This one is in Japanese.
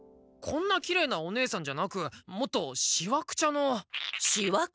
こんなきれいなおねえさんじゃなくもっとシワくちゃの。